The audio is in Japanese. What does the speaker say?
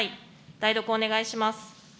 代読、お願いします。